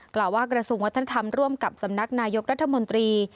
กล่าวว่ากระทรวงวัฒนธรรมร่วมกับสำนักนายกรัฐมนตรี